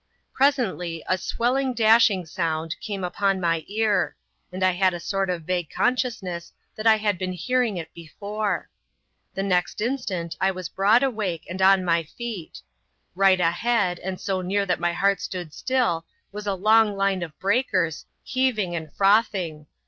Presently, a swelling dashing sound came upon my ear, and I had a sort of vague consciousness that I had been hearing it before. The next instant I was broad awake and on my feet. Right ahead, and so near that my heart stood still, was a long line of breakers, heaving and frothing.